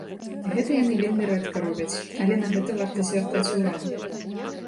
Гэта яны вельмі рэдка робяць, але на гэта варта звяртаць увагу.